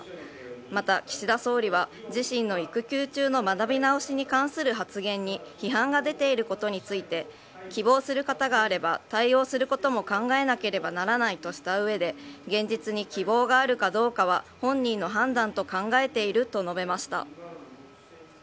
また岸田総理は自身の育休中の学び直しに関する発言に批判が出ていることについて、希望する方があれば対応することも考えなければならないとしたうえで、現実に希望があるかどうかは、本人の判断と考えていると述べました。